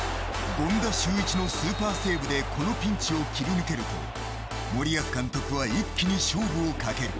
権田修一のスーパーセーブでこのピンチを切り抜けると森保監督は一気に勝負をかける。